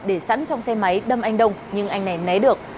để sẵn trong xe máy đâm anh đông nhưng anh này né được